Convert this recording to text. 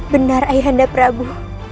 benar ayah anda prabu